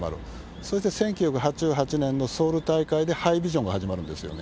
そして１９８８年のソウル大会でハイビジョンが始まるんですよね。